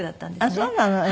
あっそうなの。